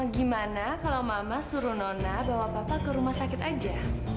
gimana kalau mama suruh nona bawa papa ke rumah sakit aja